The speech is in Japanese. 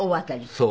そう。